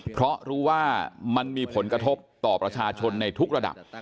เพราะรู้ว่ามันมีผลกระทบต่อประชาชนในทุกระดับ